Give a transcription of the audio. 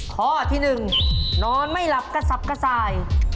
ข้อที่๑นอนไม่หลับกระสับกระส่าย